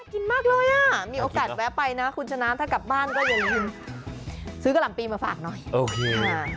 กินมากเลยอ่ะมีโอกาสแวะไปนะคุณชนะถ้ากลับบ้านก็อย่าลืมซื้อกะหล่ำปีมาฝากหน่อยโอเคค่ะ